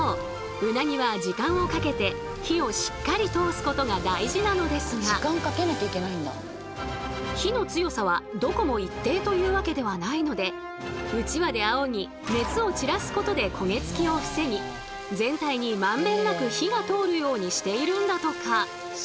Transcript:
うなぎは時間をかけて火をしっかり通すことが大事なのですが火の強さはどこも一定というわけではないのでうちわであおぎ熱を散らすことで焦げつきを防ぎ全体にまんべんなく火が通るようにしているんだとか。